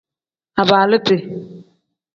Abaaluti.